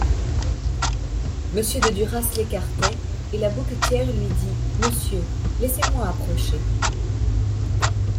Monsieur de Duras l'écartait, et la bouquetière lui dit : «Monsieur, laissez-moi approcher.